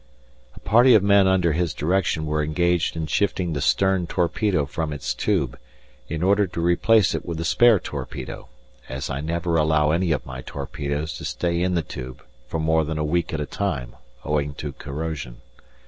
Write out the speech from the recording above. A party of men under his direction were engaged in shifting the stern torpedo from its tube, in order to replace it with a spare torpedo, as I never allow any of my torpedoes to stay in the tube for more than a week at a time owing to corrosion.